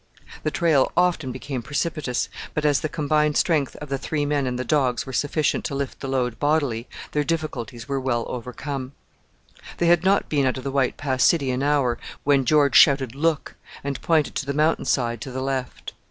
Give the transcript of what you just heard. The trail often became precipitous, but as the combined strength of the three men and the dogs was sufficient to lift the load bodily, their difficulties were well overcome. They had not been out of the White Pass City an hour when George shouted "Look!" and pointed to the mountain side to the left.